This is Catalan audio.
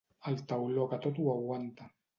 El tauló que tot ho aguanta.